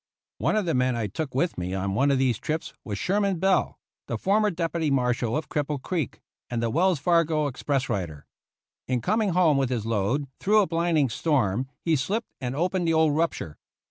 One of the men I took with me on one of these trips was Sherman Bell, the former Deputy Mar shal of Cripple Creek, and Wells Fargo Express rider. In coming home with his load, through a blinding storm, he slipped and opened the old rupture.